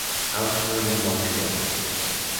Outram Marshall.